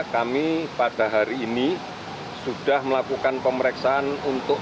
kami pada hari ini sudah melakukan pemeriksaan untuk